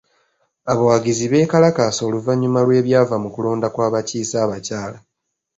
Abawagizi beekalakaasa oluvannyuma lw'ebyava mu kulonda kw'abakiise abakyala.